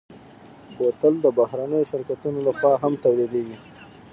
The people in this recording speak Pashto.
بوتل د بهرنيو شرکتونو لهخوا هم تولیدېږي.